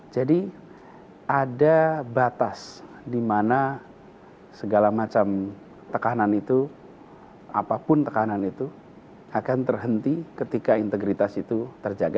jadi ada batas di mana segala macam tekanan itu apapun tekanan itu akan terhenti ketika integritas itu terjaga